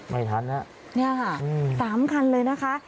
ไม่ทันฮะเนี่ยค่ะ๓คันเลยนะคะ